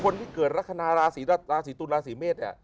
คนที่เกิดรักษณราศิราษสีตูนรักษณราศิเมศ